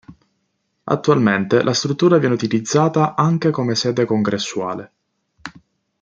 Attualmente la struttura viene utilizzata anche come sede congressuale.